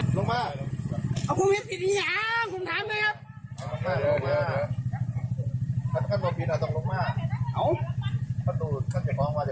สรุปขึ้นได้ประมาณสักวัน๕เ